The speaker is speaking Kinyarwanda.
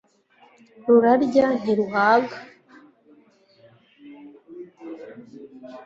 rurarya ntiruhaga